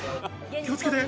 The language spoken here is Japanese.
気をつけて。